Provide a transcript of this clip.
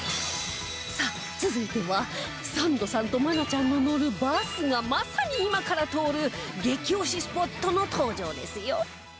さあ続いてはサンドさんと愛菜ちゃんの乗るバスがまさに今から通る激推しスポットの登場ですよ